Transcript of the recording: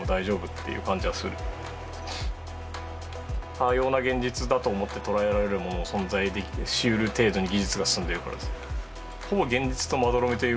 多様な現実だと思って捉えられるものを存在しうる程度に技術が進んでるからです。